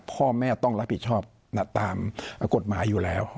พ่อแม่ต้องรับผิดชอบตามกฎหมายอยู่แล้ว